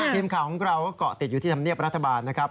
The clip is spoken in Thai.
ทีมข่าวของเราก็เกาะติดอยู่ที่ธรรมเนียบรัฐบาลนะครับ